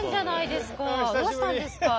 どうしたんですか。